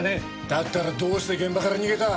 だったらどうして現場から逃げた！？